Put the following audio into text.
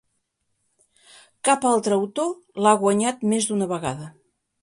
Cap altre autor l'ha guanyat més d'una vegada.